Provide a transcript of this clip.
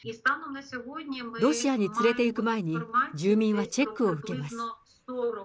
ロシアに連れていく前に、住民はチェックを受けます。